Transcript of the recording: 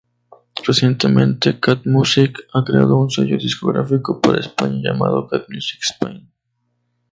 Recientemente Cat Music ha creado un sello discográfico para España llamado Cat Music Spain.